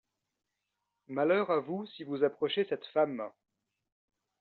Malheur à vous si vous approchez cette femme!